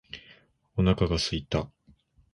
お腹が空いた。